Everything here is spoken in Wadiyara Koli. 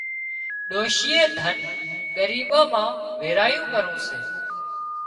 ڏوشيئي ڌنَ ڳريٻان مان ويرايون پرون سي